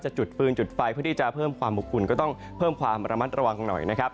จุดฟืนจุดไฟเพื่อที่จะเพิ่มความอบอุ่นก็ต้องเพิ่มความระมัดระวังหน่อยนะครับ